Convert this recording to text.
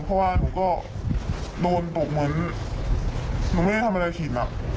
เพราะว่าหนูก็โดนปกเหมือนหนูไม่ได้ทำอะไรผิดแบบ